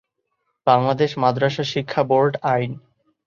বাংলাদেশ মাদ্রাসা শিক্ষা বোর্ড আইন